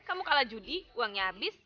kamu kalah judi uangnya habis